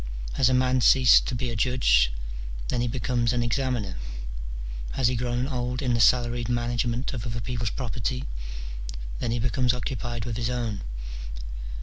Has a man ceased to be a judge ? then he becomes an examiner. Has he grown old in the salaried management of other people's property ? then he becomes occupied with his own.